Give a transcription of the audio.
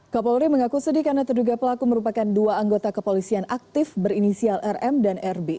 kapolri mengaku sedih karena terduga pelaku merupakan dua anggota kepolisian aktif berinisial rm dan rb